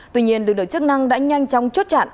tuy nhiên lực lượng chức năng đã nhanh chóng chốt chặn